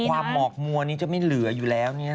ความหมอกมัวนี้จะไม่เหลืออยู่แล้ว